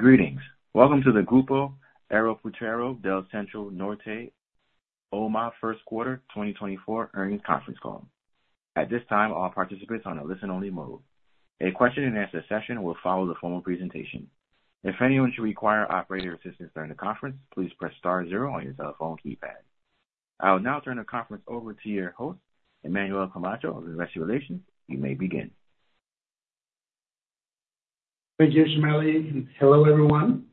Greetings. Welcome to the Grupo Aeroportuario del Centro Norte, OMA First Quarter 2024 earnings conference call. At this time, all participants are on a listen-only mode. A question-and-answer session will follow the formal presentation. If anyone should require operator assistance during the conference, please press *0 on your telephone keypad. I will now turn the conference over to your host, Emmanuel Camacho of Investor Relations. You may begin. Thank you, Ismaeli. Hello, everyone.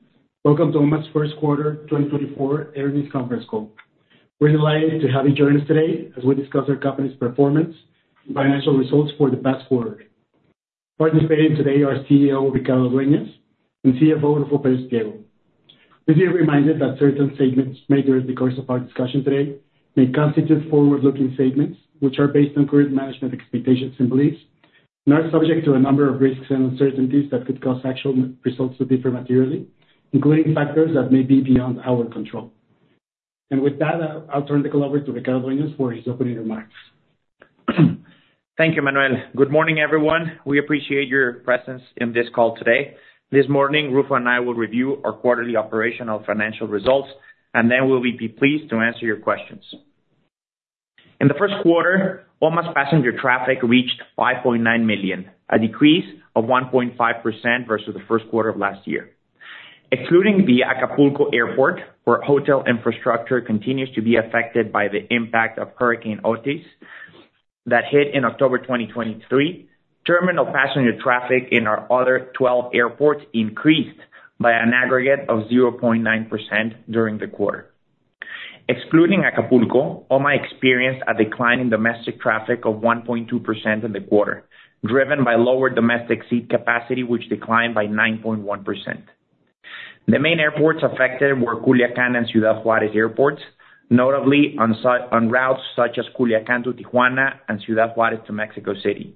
Welcome to OMA's First Quarter 2024 earnings conference call. We're delighted to have you join us today as we discuss our company's performance and financial results for the past quarter. Participating today are CEO Ricardo Dueñas and CFO Ruffo Pérez Pliego. Please be reminded that certain statements made during the course of our discussion today may constitute forward-looking statements which are based on current management expectations and beliefs and are subject to a number of risks and uncertainties that could cause actual results to differ materially, including factors that may be beyond our control. With that, I'll turn the call over to Ricardo Dueñas for his opening remarks. Thank you, Manuel. Good morning, everyone. We appreciate your presence in this call today. This morning, Ruffo and I will review our quarterly operational financial results, and then we'll be pleased to answer your questions. In the first quarter, OMA's passenger traffic reached 5.9 million, a decrease of 1.5% versus the first quarter of last year. Excluding the Acapulco Airport, where hotel infrastructure continues to be affected by the impact of Hurricane Otis that hit in October 2023, terminal passenger traffic in our other 12 airports increased by an aggregate of 0.9% during the quarter. Excluding Acapulco, OMA experienced a decline in domestic traffic of 1.2% in the quarter, driven by lower domestic seat capacity which declined by 9.1%. The main airports affected were Culiacán and Ciudad Juárez Airports, notably on routes such as Culiacán to Tijuana and Ciudad Juárez to Mexico City.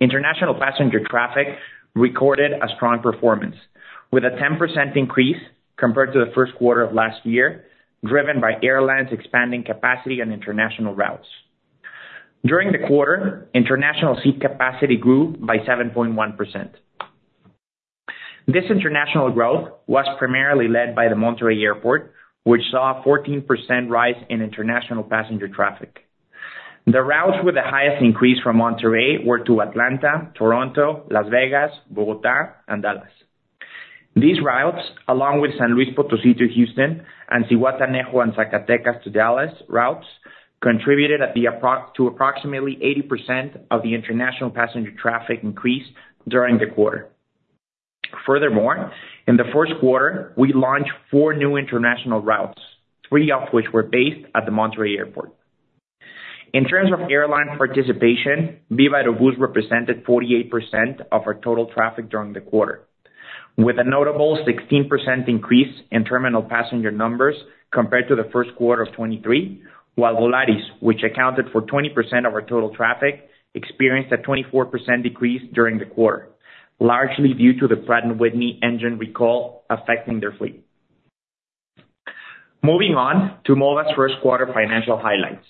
International passenger traffic recorded a strong performance, with a 10% increase compared to the first quarter of last year, driven by airlines expanding capacity on international routes. During the quarter, international seat capacity grew by 7.1%. This international growth was primarily led by the Monterrey Airport, which saw a 14% rise in international passenger traffic. The routes with the highest increase from Monterrey were to Atlanta, Toronto, Las Vegas, Bogotá, and Dallas. These routes, along with San Luis Potosí to Houston and Zihuatanejo and Zacatecas to Dallas routes, contributed to approximately 80% of the international passenger traffic increase during the quarter. Furthermore, in the first quarter, we launched four new international routes, three of which were based at the Monterrey Airport. In terms of airline participation, Viva Aerobus represented 48% of our total traffic during the quarter, with a notable 16% increase in terminal passenger numbers compared to the first quarter of 2023, while Volaris, which accounted for 20% of our total traffic, experienced a 24% decrease during the quarter, largely due to the Pratt & Whitney engine recall affecting their fleet. Moving on to OMA's first quarter financial highlights.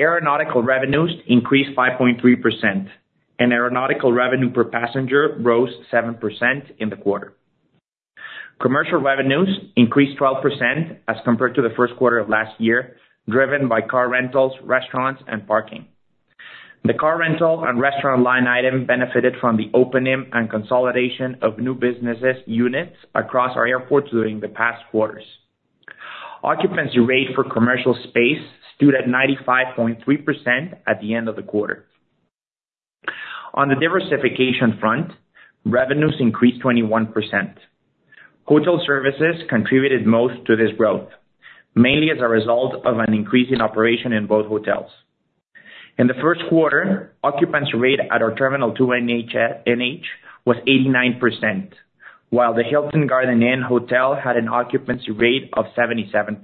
Aeronautical revenues increased 5.3%, and aeronautical revenue per passenger rose 7% in the quarter. Commercial revenues increased 12% as compared to the first quarter of last year, driven by car rentals, restaurants, and parking. The car rental and restaurant line item benefited from the opening and consolidation of new businesses' units across our airports during the past quarters. Occupancy rate for commercial space stood at 95.3% at the end of the quarter. On the diversification front, revenues increased 21%. Hotel services contributed most to this growth, mainly as a result of an increase in operation in both hotels. In the first quarter, occupancy rate at our Terminal 2 NH was 89%, while the Hilton Garden Inn Hotel had an occupancy rate of 77%.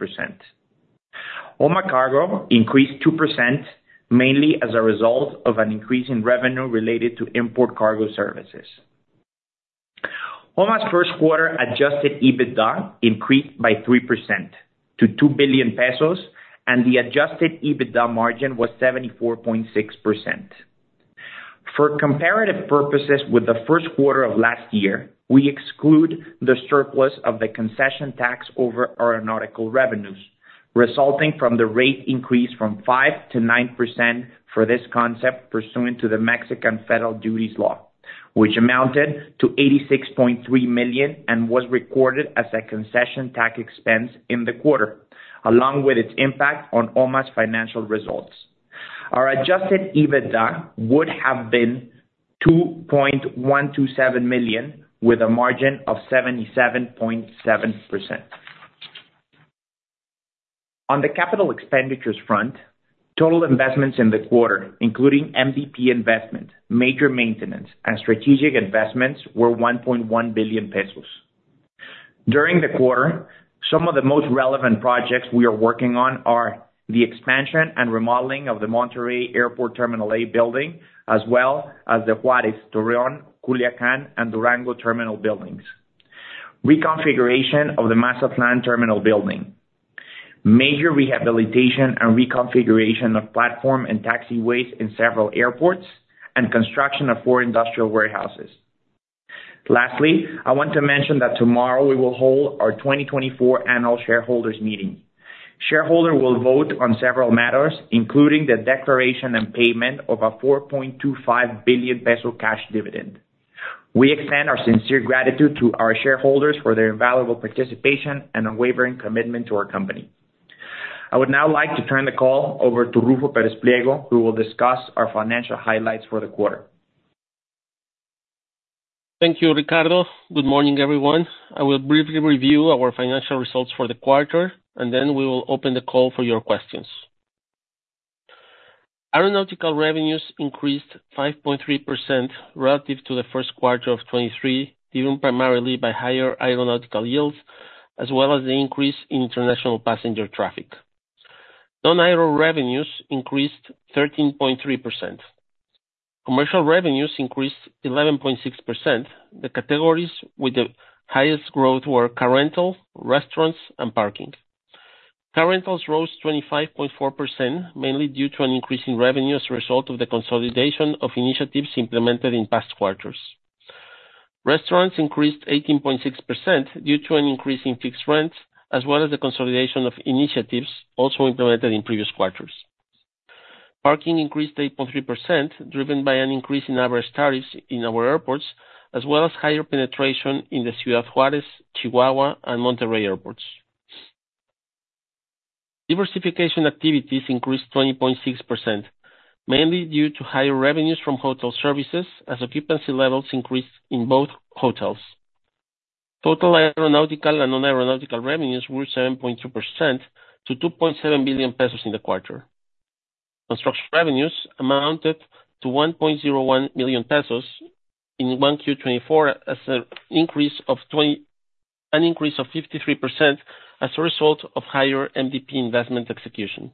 OMA Cargo increased 2%, mainly as a result of an increase in revenue related to import cargo services. OMA's first quarter Adjusted EBITDA increased by 3% to 2 billion pesos, and the Adjusted EBITDA margin was 74.6%. For comparative purposes, with the first quarter of last year, we exclude the surplus of the concession tax over aeronautical revenues, resulting from the rate increase from 5% to 9% for this concept pursuant to the Mexican Federal Duties Law, which amounted to MXN 86.3 million and was recorded as a concession tax expense in the quarter, along with its impact on OMA's financial results. Our adjusted EBITDA would have been 2.127 million, with a margin of 77.7%. On the capital expenditures front, total investments in the quarter, including MDP investment, major maintenance, and strategic investments, were 1.1 billion pesos. During the quarter, some of the most relevant projects we are working on are the expansion and remodeling of the Monterrey Airport Terminal A building, as well as the Juárez, Torreón, Culiacán, and Durango terminal buildings. Reconfiguration of the Mazatlán Terminal building. Major rehabilitation and reconfiguration of platform and taxiways in several airports and construction of four industrial warehouses. Lastly, I want to mention that tomorrow we will hold our 2024 annual shareholders' meeting. Shareholders will vote on several matters, including the declaration and payment of a 4.25 billion peso cash dividend. We extend our sincere gratitude to our shareholders for their invaluable participation and unwavering commitment to our company. I would now like to turn the call over to Ruffo Pérez Pliego, who will discuss our financial highlights for the quarter. Thank you, Ricardo. Good morning, everyone. I will briefly review our financial results for the quarter, and then we will open the call for your questions. Aeronautical revenues increased 5.3% relative to the first quarter of 2023, driven primarily by higher aeronautical yields as well as the increase in international passenger traffic. Non-aero revenues increased 13.3%. Commercial revenues increased 11.6%. The categories with the highest growth were car rental, restaurants, and parking. Car rentals rose 25.4%, mainly due to an increase in revenue as a result of the consolidation of initiatives implemented in past quarters. Restaurants increased 18.6% due to an increase in fixed rents, as well as the consolidation of initiatives also implemented in previous quarters. Parking increased 8.3%, driven by an increase in average tariffs in our airports, as well as higher penetration in the Ciudad Juárez, Chihuahua, and Monterrey airports. Diversification activities increased 20.6%, mainly due to higher revenues from hotel services as occupancy levels increased in both hotels. Total aeronautical and non-aeronautical revenues grew 7.2% to 2.7 billion pesos in the quarter. Construction revenues amounted to 1.01 million pesos in 1Q2024, an increase of 53% as a result of higher MDP investment execution.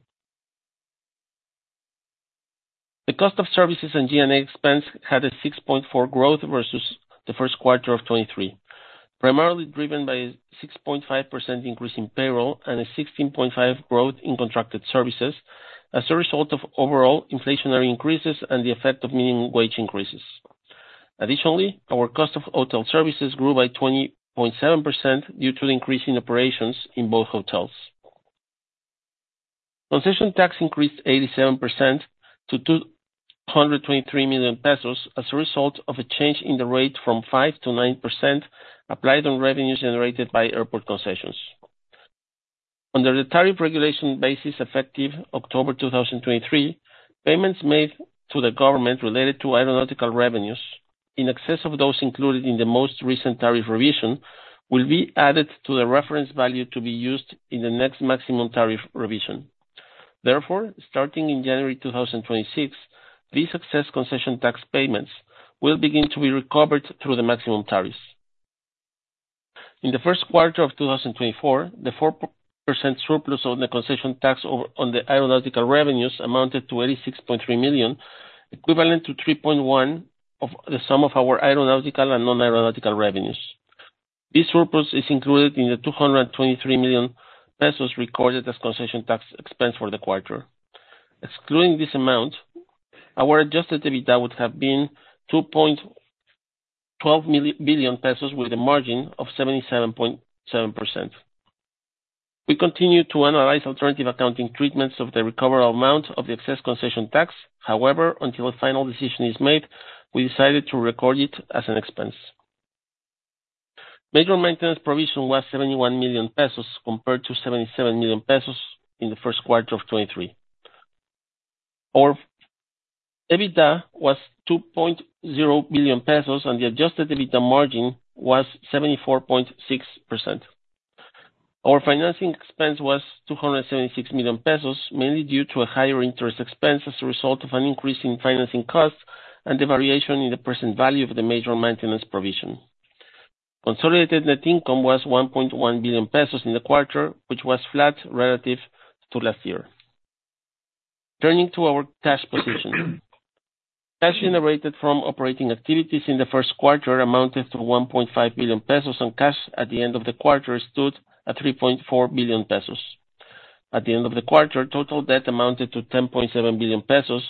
The cost of services and G&A expense had a 6.4% growth versus the first quarter of 2023, primarily driven by a 6.5% increase in payroll and a 16.5% growth in contracted services as a result of overall inflationary increases and the effect of minimum wage increases. Additionally, our cost of hotel services grew by 20.7% due to the increase in operations in both hotels. Concession tax increased 87% to 223 million pesos as a result of a change in the rate from 5% to 9% applied on revenues generated by airport concessions. Under the tariff regulation basis effective October 2023, payments made to the government related to aeronautical revenues in excess of those included in the most recent tariff revision will be added to the reference value to be used in the next maximum tariff revision. Therefore, starting in January 2026, these excess concession tax payments will begin to be recovered through the maximum tariffs. In the first quarter of 2024, the 4% surplus on the concession tax on the aeronautical revenues amounted to 86.3 million, equivalent to 3.1% of the sum of our aeronautical and non-aeronautical revenues. This surplus is included in the 223 million pesos recorded as concession tax expense for the quarter. Excluding this amount, our adjusted EBITDA would have been 2.12 billion pesos, with a margin of 77.7%. We continue to analyze alternative accounting treatments of the recoverable amount of the excess concession tax. However, until a final decision is made, we decided to record it as an expense. Major maintenance provision was 71 million pesos compared to 77 million pesos in the first quarter of 2023. Our EBITDA was 2.0 billion pesos, and the adjusted EBITDA margin was 74.6%. Our financing expense was 276 million pesos, mainly due to a higher interest expense as a result of an increase in financing costs and the variation in the present value of the major maintenance provision. Consolidated net income was 1.1 billion pesos in the quarter, which was flat relative to last year. Turning to our cash position. Cash generated from operating activities in the first quarter amounted to 1.5 billion pesos, and cash at the end of the quarter stood at 3.4 billion pesos. At the end of the quarter, total debt amounted to 10.7 billion pesos,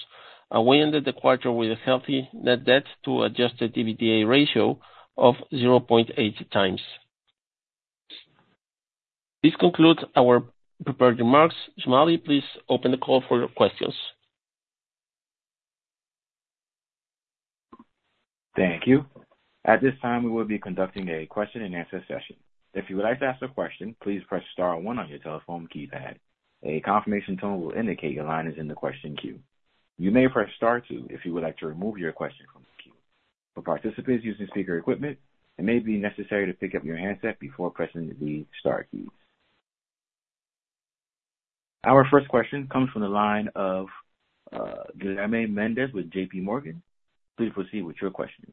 ending the quarter with a healthy net debt to adjusted EBITDA ratio of 0.8x. This concludes our prepared remarks. Jumali, please open the call for your questions. Thank you. At this time, we will be conducting a question-and-answer session. If you would like to ask a question, please press star one on your telephone keypad. A confirmation tone will indicate your line is in the question queue. You may press star two if you would like to remove your question from the queue. For participants using speaker equipment, it may be necessary to pick up your handset before pressing the star keys. Our first question comes from the line of Guilherme Mendes with J.P. Morgan. Please proceed with your question.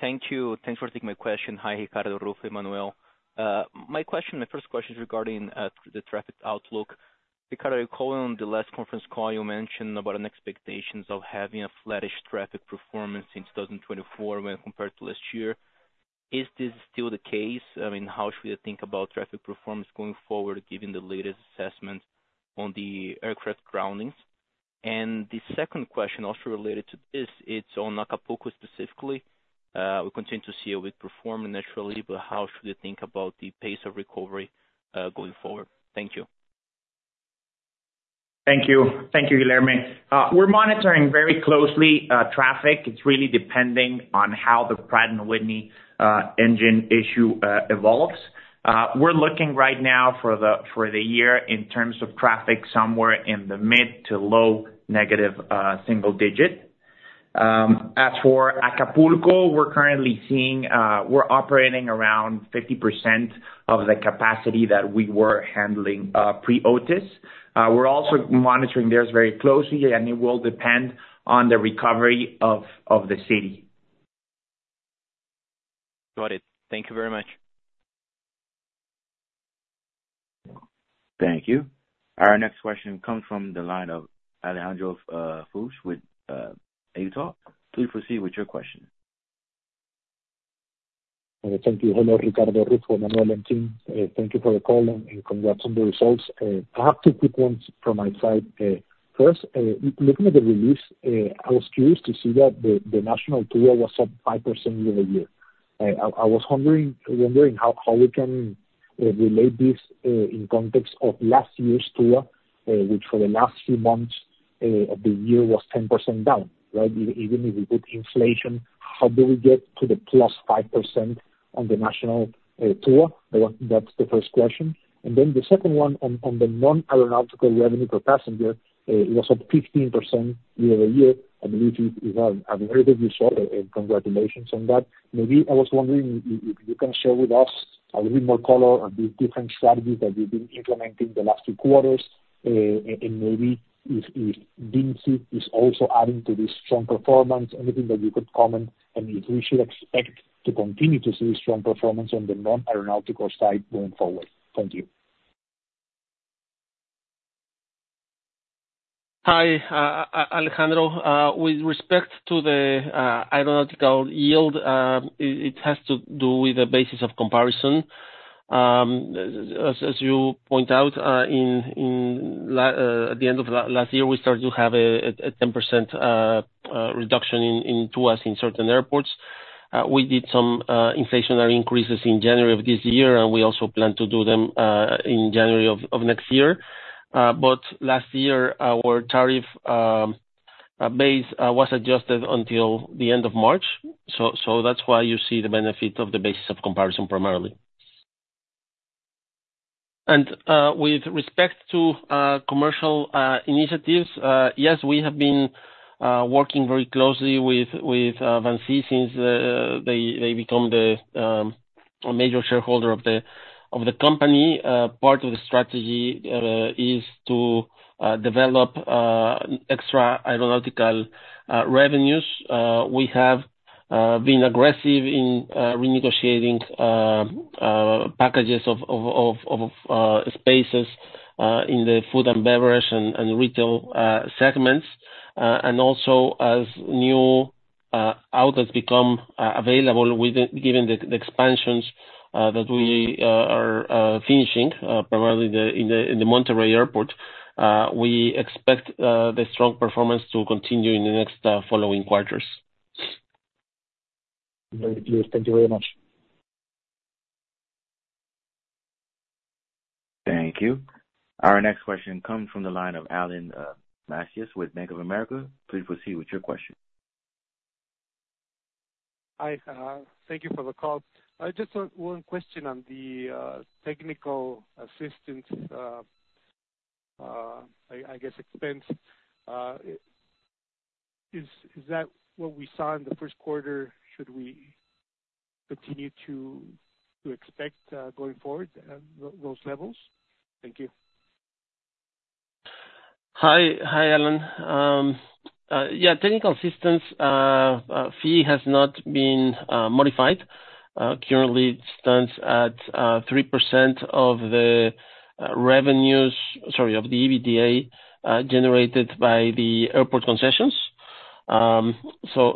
Thank you. Thanks for taking my question. Hi, Ricardo Dueñas, Ruffo Pérez, Emmanuel. My first question is regarding the traffic outlook. Ricardo, you're calling on the last conference call. You mentioned about expectations of having a flattish traffic performance in 2024 when compared to last year. Is this still the case? I mean, how should we think about traffic performance going forward given the latest assessment on the aircraft groundings? And the second question, also related to this, it's on Acapulco specifically. We continue to see a weak performance, naturally, but how should we think about the pace of recovery going forward? Thank you. Thank you. Thank you, Guilherme. We're monitoring very closely traffic. It's really depending on how the Pratt & Whitney engine issue evolves. We're looking right now for the year in terms of traffic somewhere in the mid to low negative single digit. As for Acapulco, we're operating around 50% of the capacity that we were handling pre-OTIS. We're also monitoring theirs very closely, and it will depend on the recovery of the city. Got it. Thank you very much. Thank you. Our next question comes from the line of Alejandro Fuchs with Itaú BBA. Please proceed with your question. Thank you, Ricardo, Ruffo Pérez, Emmanuel and team. Thank you for the call and congrats on the results. I have two quick ones from my side. First, looking at the release, I was curious to see that the national TUA was up 5% year-over-year. I was wondering how we can relate this in context of last year's TUA, which for the last few months of the year was 10% down, right? Even if we put inflation, how do we get to the plus 5% on the national TUA? That's the first question. And then the second one, on the non-aeronautical revenue per passenger, it was up 15% year-over-year. I believe it's a very good result, and congratulations on that. Maybe I was wondering if you can share with us a little bit more color on these different strategies that you've been implementing the last few quarters, and maybe if DIMSI is also adding to this strong performance, anything that you could comment, and if we should expect to continue to see strong performance on the non-aeronautical side going forward. Thank you. Hi, Alejandro. With respect to the aeronautical yield, it has to do with a basis of comparison. As you point out, at the end of last year, we started to have a 10% reduction in TUAs in certain airports. We did some inflationary increases in January of this year, and we also plan to do them in January of next year. But last year, our tariff base was adjusted until the end of March, so that's why you see the benefit of the basis of comparison primarily. And with respect to commercial initiatives, yes, we have been working very closely with VINCI since they became the major shareholder of the company. Part of the strategy is to develop extra aeronautical revenues. We have been aggressive in renegotiating packages of spaces in the food and beverage and retail segments. And also, as new outlets become available, given the expansions that we are finishing, primarily in the Monterrey airport, we expect the strong performance to continue in the next following quarters. Very pleased. Thank you very much. Thank you. Our next question comes from the line of Alan Macías with Bank of America. Please proceed with your question. Hi. Thank you for the call. Just one question on the technical assistance, I guess, expense. Is that what we saw in the first quarter? Should we continue to expect going forward those levels? Thank you. Hi, Alan. Yeah, technical assistance fee has not been modified. Currently, it stands at 3% of the revenues—sorry—of the EBITDA generated by the airport concessions. So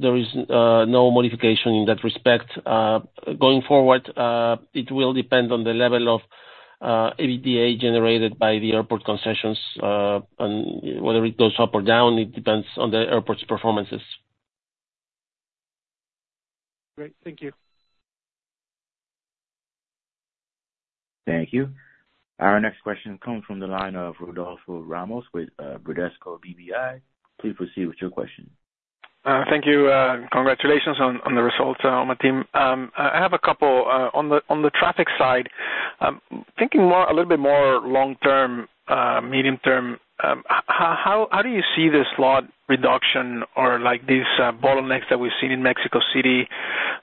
there is no modification in that respect. Going forward, it will depend on the level of EBITDA generated by the airport concessions, and whether it goes up or down, it depends on the airport's performances. Great. Thank you. Thank you. Our next question comes from the line of Rodolfo Ramos with Bradesco BBI. Please proceed with your question. Thank you. Congratulations on the results, OMA team. I have a couple on the traffic side. Thinking a little bit more long-term, medium-term, how do you see this slot reduction or these bottlenecks that we've seen in Mexico City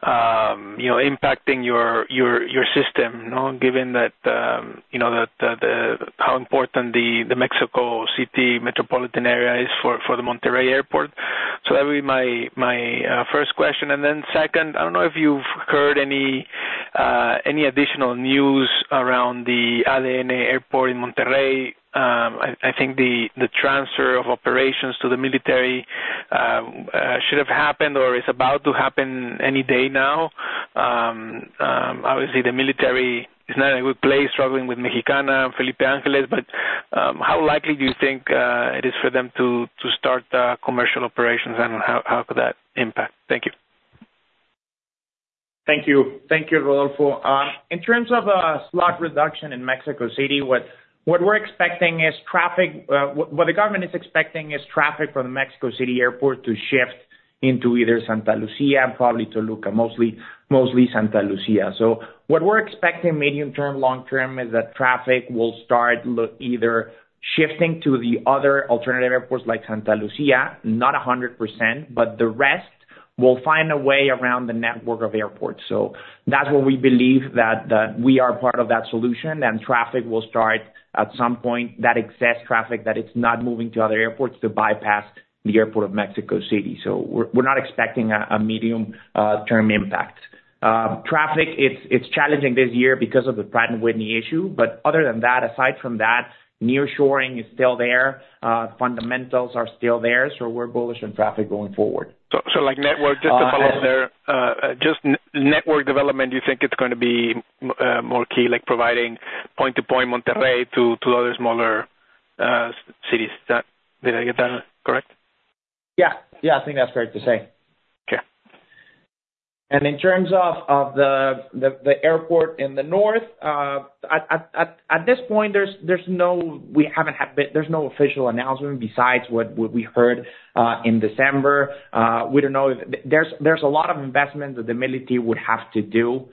impacting your system, given how important the Mexico City metropolitan area is for the Monterrey airport? So that would be my first question. And then second, I don't know if you've heard any additional news around the ADN airport in Monterrey. I think the transfer of operations to the military should have happened or is about to happen any day now. Obviously, the military is not in a good place, struggling with Mexicana and Felipe Ángeles. But how likely do you think it is for them to start commercial operations, and how could that impact? Thank you. Thank you. Thank you, Rodolfo. In terms of a slot reduction in Mexico City, what we're expecting is traffic, what the government is expecting is traffic from the Mexico City airport to shift into either Santa Lucía and probably Toluca, mostly Santa Lucía. So what we're expecting medium-term, long-term is that traffic will start either shifting to the other alternative airports like Santa Lucía, not 100%, but the rest will find a way around the network of airports. So that's what we believe that we are part of that solution, and traffic will start at some point that excess traffic that it's not moving to other airports to bypass the airport of Mexico City. So we're not expecting a medium-term impact. Traffic, it's challenging this year because of the Pratt & Whitney issue. But other than that, aside from that, nearshoring is still there. Fundamentals are still there, so we're bullish on traffic going forward. Network just to follow up there, just network development, you think it's going to be more key, providing point-to-point Monterrey to other smaller cities. Did I get that correct? Yeah. Yeah. I think that's correct to say. Okay. In terms of the airport in the north, at this point, we haven't had. There's no official announcement besides what we heard in December. We don't know if there's a lot of investments that the military would have to do.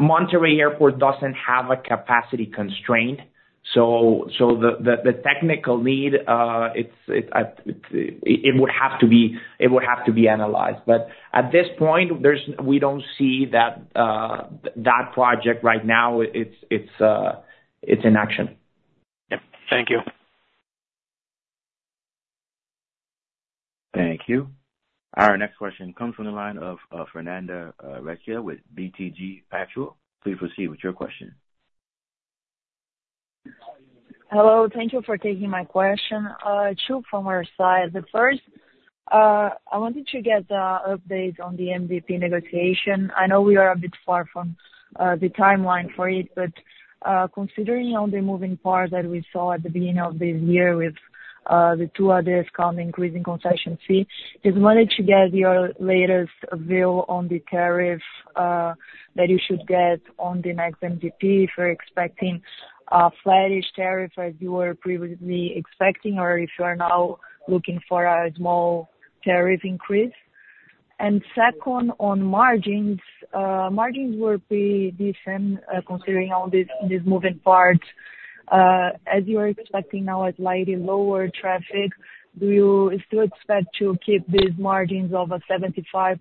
Monterrey Airport doesn't have a capacity constraint, so the technical need, it would have to be analyzed. But at this point, we don't see that project right now. It's in action. Yep. Thank you. Thank you. Our next question comes from the line of Fernanda Recchia with BTG Pactual. Please proceed with your question. Hello. Thank you for taking my question. Two from our side. The first, I wanted to get updates on the MDP negotiation. I know we are a bit far from the timeline for it, but considering only moving parts that we saw at the beginning of this year with the two other accounts increasing concession fee, just wanted to get your latest view on the tariff that you should get on the next MDP. If you're expecting a flattish tariff as you were previously expecting or if you are now looking for a small tariff increase. And second, on margins, margins will be decent considering all these moving parts. As you are expecting now, a slightly lower traffic, do you still expect to keep these margins of 75%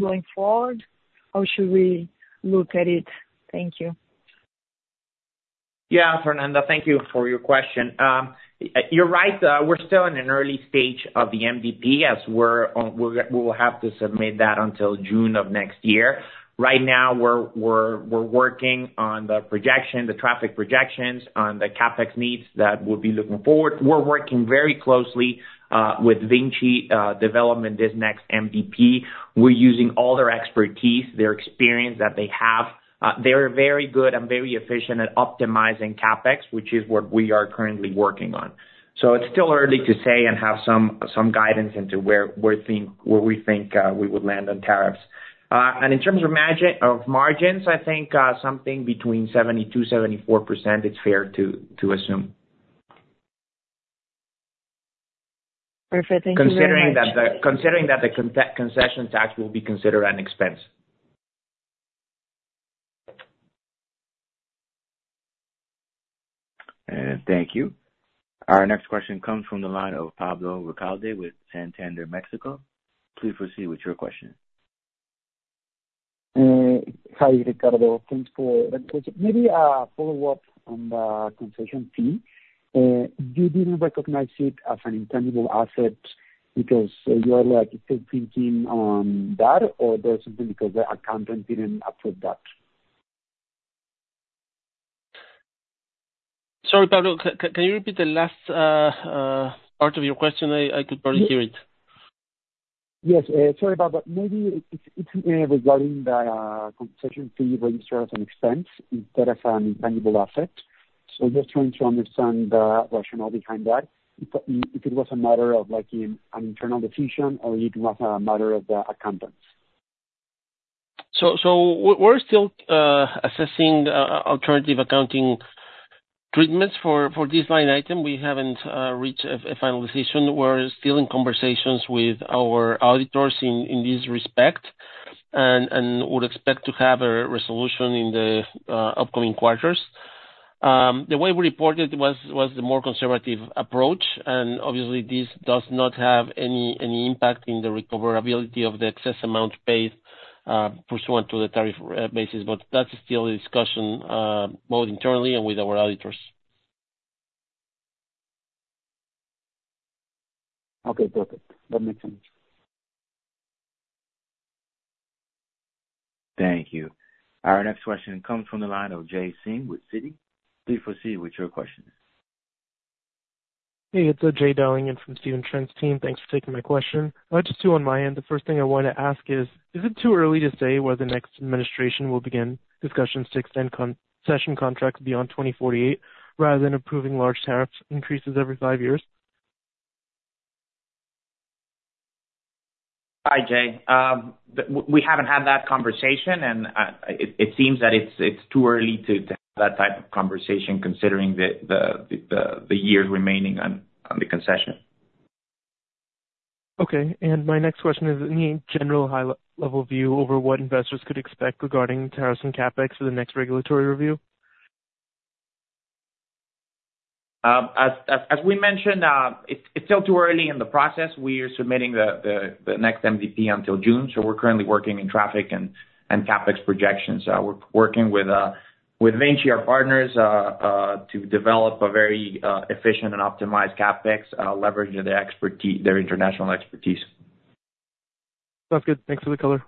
going forward? How should we look at it? Thank you. Yeah, Fernanda. Thank you for your question. You're right. We're still in an early stage of the MDP as we will have to submit that until June of next year. Right now, we're working on the projection, the traffic projections, on the CapEx needs that we'll be looking forward. We're working very closely with Vinci developing this next MDP. We're using all their expertise, their experience that they have. They're very good and very efficient at optimizing CapEx, which is what we are currently working on. So it's still early to say and have some guidance into where we think we would land on tariffs. And in terms of margins, I think something between 72%-74%, it's fair to assume. Perfect. Thank you very much. Considering that the concession tax will be considered an expense. Thank you. Our next question comes from the line of Pablo Ricalde with Santander México. Please proceed with your question. Hi, Ricardo. Thanks for that question. Maybe a follow-up on the concession fee. You didn't recognize it as an intangible asset because you are still thinking on that, or there's something because the accountant didn't approve that? Sorry, Pablo. Can you repeat the last part of your question? I could barely hear it. Yes. Sorry, Pablo. Maybe it's regarding the concession fee registered as an expense instead of an intangible asset. So just trying to understand the rationale behind that, if it was a matter of an internal decision or it was a matter of the accountants. So we're still assessing alternative accounting treatments for this line item. We haven't reached a final decision. We're still in conversations with our auditors in this respect and would expect to have a resolution in the upcoming quarters. The way we reported was the more conservative approach, and obviously, this does not have any impact in the recoverability of the excess amount paid pursuant to the tariff basis, but that's still a discussion both internally and with our auditors. Okay. Perfect. That makes sense. Thank you. Our next question comes from the line of Jay Singh with Citi. Please proceed with your questions. Hey. It's Jay Singh in from the Stephen Trent's team. Thanks for taking my question. Just two on my end. The first thing I want to ask is, is it too early to say whether next administration will begin discussions to extend concession contracts beyond 2048 rather than approving large tariff increases every five years? Hi, Jay. We haven't had that conversation, and it seems that it's too early to have that type of conversation considering the years remaining on the concession. Okay. My next question is, any general high-level view over what investors could expect regarding tariffs and CapEx for the next regulatory review? As we mentioned, it's still too early in the process. We are submitting the next MDP until June, so we're currently working in traffic and CapEx projections. We're working with VINCI, our partners, to develop a very efficient and optimized CapEx, leveraging their international expertise. Sounds good. Thanks for the color.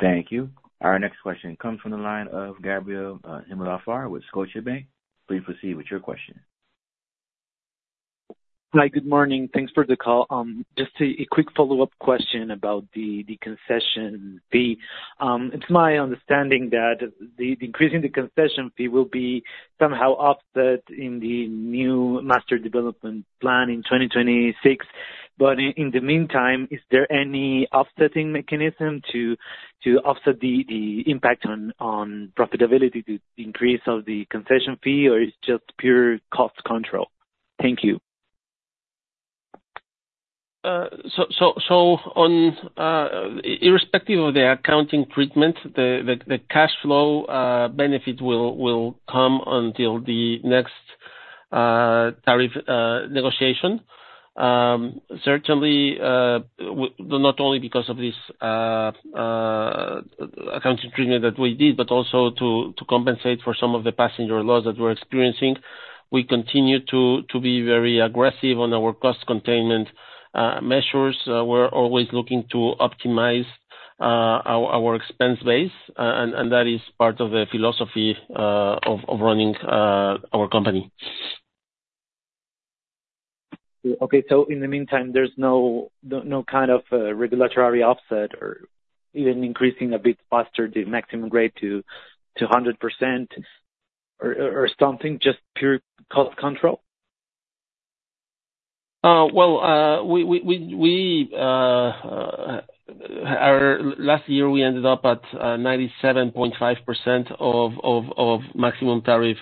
Thank you. Our next question comes from the line of Gabriel Himelfarb with Scotiabank. Please proceed with your question. Hi. Good morning. Thanks for the call. Just a quick follow-up question about the concession fee. It's my understanding that increasing the concession fee will be somehow offset in the new master development plan in 2026. But in the meantime, is there any offsetting mechanism to offset the impact on profitability, the increase of the concession fee, or it's just pure cost control? Thank you. Irrespective of the accounting treatment, the cash flow benefit will come until the next tariff negotiation, certainly not only because of this accounting treatment that we did, but also to compensate for some of the passenger loss that we're experiencing. We continue to be very aggressive on our cost containment measures. We're always looking to optimize our expense base, and that is part of the philosophy of running our company. Okay. So in the meantime, there's no kind of regulatory offset or even increasing a bit faster the maximum rate to 100% or something, just pure cost control? Well, last year, we ended up at 97.5% of maximum tariff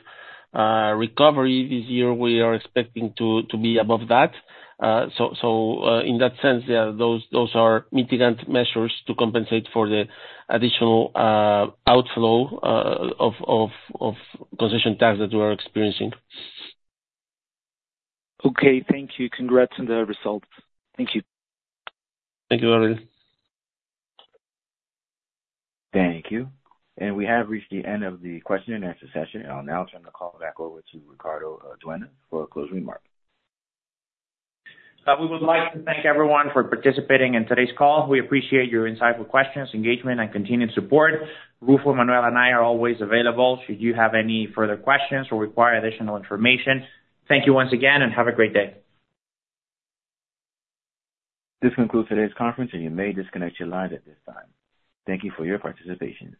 recovery. This year, we are expecting to be above that. So in that sense, yeah, those are mitigating measures to compensate for the additional outflow of concession tax that we are experiencing. Okay. Thank you. Congrats on the results. Thank you. Thank you, Gabriel. Thank you. We have reached the end of the question-and-answer session. I'll now turn the call back over to Ricardo Dueñas for a closing remark. We would like to thank everyone for participating in today's call. We appreciate your insightful questions, engagement, and continued support. Ruffo Pérez Pliego and I are always available should you have any further questions or require additional information. Thank you once again, and have a great day. This concludes today's conference, and you may disconnect your lines at this time. Thank you for your participation.